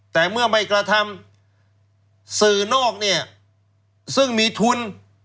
แต่เมื่อไม่กระทำสื่อนอกเนี่ยซึ่งมีทุน